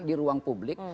di ruang publik